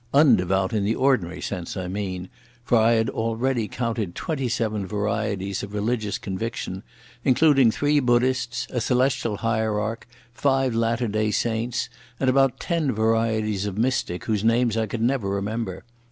Undevout in the ordinary sense, I mean, for I had already counted twenty seven varieties of religious conviction, including three Buddhists, a Celestial Hierarch, five Latter day Saints, and about ten varieties of Mystic whose names I could never remember.